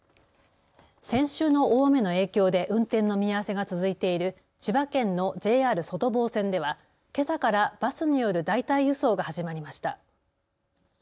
先週の大雨の影響で運転の見合わせが続いている千葉県のＪＲ外房線ではけさからバスによる代替輸送が始まりました。